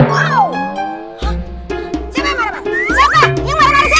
siapa yang marah marah siapa